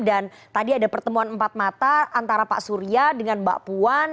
dan tadi ada pertemuan empat mata antara pak surya dengan mbak puan